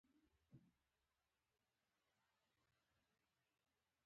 پیغور یوه عنعنوي تازیانه وه چې خاصیتونه یې ټاکل.